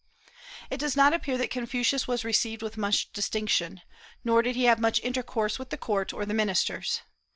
It does not appear that Confucius was received with much distinction, nor did he have much intercourse with the court or the ministers.